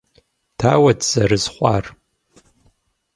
Дауэт зэрызхъуар?